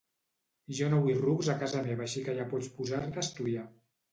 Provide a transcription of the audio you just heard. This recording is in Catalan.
Jo no vull rucs a casa meva així que ja pots posar-te a estudiar